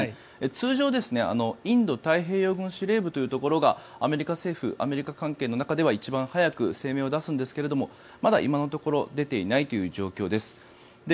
通常、インド太平洋軍司令部というところがアメリカ政府アメリカ関係の中では一番早く声明を出すんですがまだ今のところ出ていないという状況です。